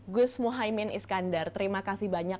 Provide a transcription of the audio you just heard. gus muhaymin iskandar terima kasih banyak